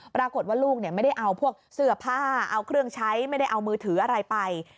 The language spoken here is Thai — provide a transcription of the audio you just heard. ปรากฏว่าลูกไม่ได้เอาพวกเสื้อผ้าเอาเครื่องใช้ไม่ได้เอามือถืออะไรไป